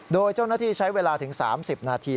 โดยเจ้าหน้าที่ใช้เวลาถึง๓๐นาที